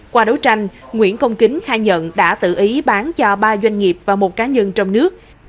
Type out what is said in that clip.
qua đấu tranh nguyễn công kính khai nhận đã tự ý bán cho ba doanh nghiệp và một cá nhân trong nước